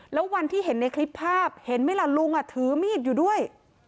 แล้ววันที่เห็นในคลิปภาพเห็นไหมล่ะลุงถือมีดอยู่ด้วย